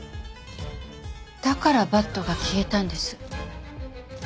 だからバットが消えたんです。